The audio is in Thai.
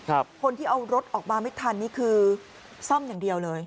คนที่เอารถออกมาไม่ทันนี่คือซ่อมอย่างเดียวเลย